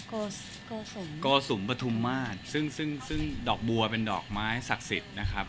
โกโกสุมโกสุมปฐุมมาตรซึ่งซึ่งดอกบัวเป็นดอกไม้ศักดิ์สิทธิ์นะครับ